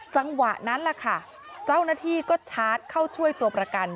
จังหวะนั้นแหละค่ะเจ้าหน้าที่ก็ชาร์จเข้าช่วยตัวประกัน